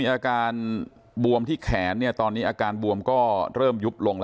อาการบวมบวมที่แขนได้ละครับ